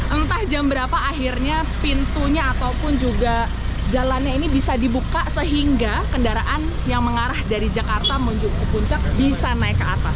entah jam berapa akhirnya pintunya ataupun juga jalannya ini bisa dibuka sehingga kendaraan yang mengarah dari jakarta menuju ke puncak bisa naik ke atas